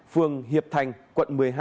phường hiệp thành quận một mươi hai